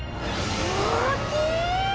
おおきい！